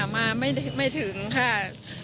มาไม่ถึงค่ะ